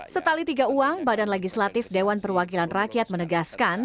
setali tiga uang badan legislatif dewan perwakilan rakyat menegaskan